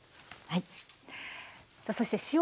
はい。